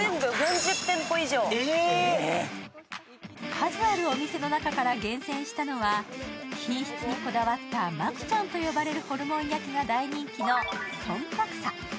数あるお店の中から厳選したのは、品質にこだわったマクチャンと呼ばれるホルモン焼きが大人気のトンパクサ。